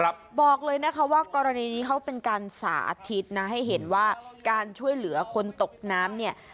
บอกเลยนะคะว่ากรณีนี้เขาเป็นการสาธิตนะให้เห็นว่าการช่วยเหลือคนตกน้ำเนี่ย